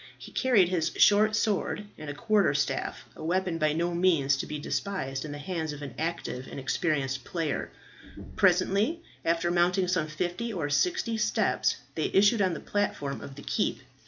He carried his short sword and a quarterstaff, a weapon by no means to be despised in the hands of an active and experienced player. Presently, after mounting some fifty or sixty steps, they issued on the platform of the keep.